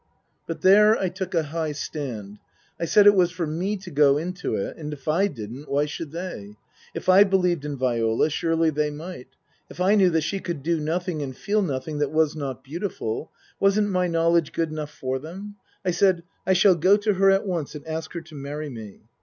But there I took a high stand. I said it was for me to go into it, and if I didn't, why should they ? If I believed in Viola, surely they might ? If I knew that she could do nothing and feel nothing that was not beautiful, wasn't my knowledge good enough for them ? I said, " I shall go to her at once and ask her to marry me."